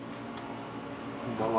こんばんは。